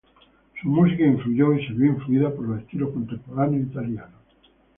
Su música influyó y se vio influida por los estilos contemporáneos italianos.